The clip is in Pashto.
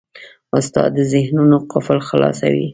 استاد د ذهنونو قفل خلاصوي.